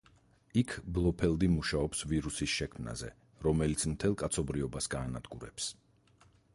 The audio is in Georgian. იქ ბლოფელდი მუშაობს ვირუსის შექმნაზე, რომელიც მთელ კაცობრიობას გაანადგურებს.